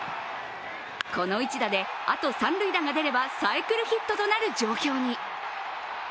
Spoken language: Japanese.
この一打であと三塁打が出ればサイクルヒットとなる状況に。